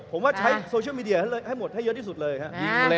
ผมว่าใช้โซเชียลมีเดียให้หมดให้เยอะที่สุดเลยครับ